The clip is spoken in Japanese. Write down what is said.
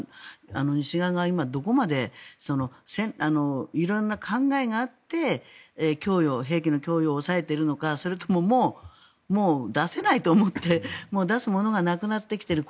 西側が今、どこまで色んな考えがあって兵器の供与を抑えているのかそれとも、もう出せないと思って出すものがなくなってきている